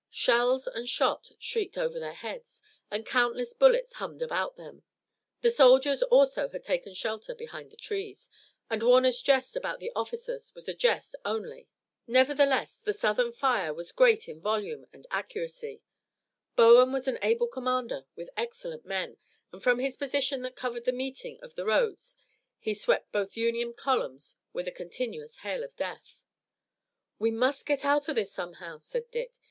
Shells and shot shrieked over their heads and countless bullets hummed about them. The soldiers also had taken shelter behind the trees, and Warner's jest about the officers was a jest only. Nevertheless the Southern fire was great in volume and accuracy. Bowen was an able commander with excellent men, and from his position that covered the meeting of the roads he swept both Union columns with a continuous hail of death. "We must get out of this somehow," said Dick.